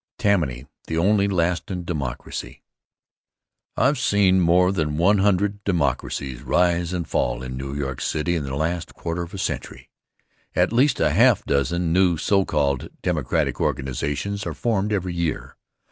Tammany the Only Lastin' Democracy I've seen more than one hundred "Democracies" rise and fall in New York City in the last quarter of a century. At least a half dozen new so called Democratic organizations are formed every year.